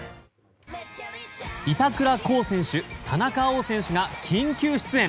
板倉滉選手田中碧選手が緊急出演！